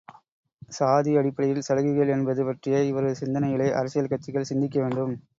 சாதி அடிப்படையில் சலுகைகள் என்பது பற்றிய இவரது சிந்தனைகளை அரசியல் கட்சிகள் சிந்திக்க வேண்டும்.